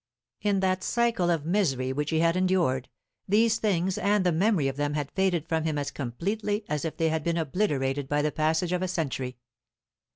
In that cycle of misery which he had endured, these things and the memory of them had faded from him as completely as if they had been obliterated by the passage of a century.